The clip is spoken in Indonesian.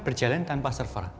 berjalan tanpa server